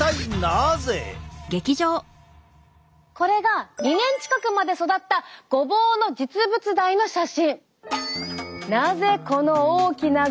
これが２年近くまで育ったごぼうの実物大の写真。